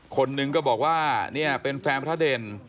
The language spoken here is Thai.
คนหนึ่งก็บอกว่าเนี่ยเป็นแฟนพระเด่น